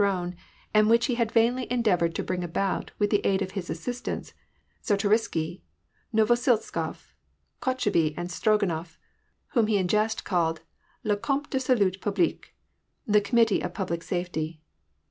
168 thTone, and which he had vainly endeavored to bring about with the aid of his assistants, Czartorisky, Novosiltsof, Kotchu bey, and Strogonof, whom he in jest called *' la comite du salut puMique "—" the Committee of Public Safety."